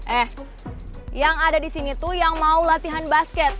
eh yang ada disini tuh yang mau latihan basket